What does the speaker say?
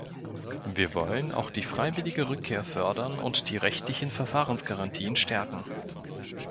Wir wollen auch die freiwillige Rückkehr fördern und die rechtlichen Verfahrensgarantien stärken.